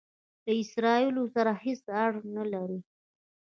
له اسراییلو سره هیڅ اړه نه لري.